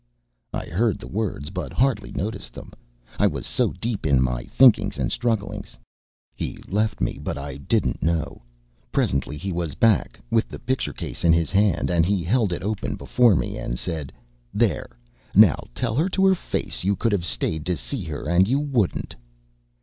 I heard the words, but hardly noticed them, I was so deep in my thinkings and strugglings. He left me, but I didn't know. Presently he was back, with the picture case in his hand, and he held it open before me and said: "There, now, tell her to her face you could have stayed to see her, and you wouldn't."